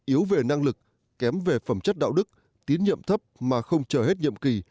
yếu về năng lực kém về phẩm chất đạo đức tín nhiệm thấp mà không chờ hết nhiệm kỳ